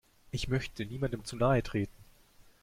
Ich möchte niemandem zu nahe treten.